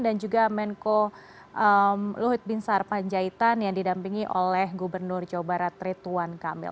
dan juga menko luhit bin sarpanjaitan yang didampingi oleh gubernur jawa barat rituan kamil